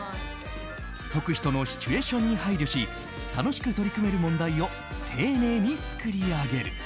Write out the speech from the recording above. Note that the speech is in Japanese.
解く人のシチュエーションに配慮し楽しく取り組める問題を丁寧に作り上げる。